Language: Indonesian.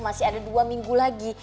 masih ada dua minggu lagi